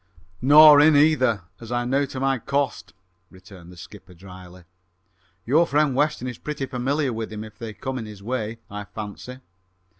"Nor in, either, as I know to my cost," returned the skipper drily. "Your friend Weston is pretty familiar with them, if they come in his way, I fancy!